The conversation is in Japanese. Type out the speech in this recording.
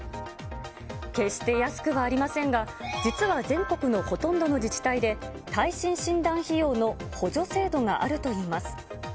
決して安くはありませんが、実は全国のほとんどの自治体で耐震診断費用の補助制度があるといいます。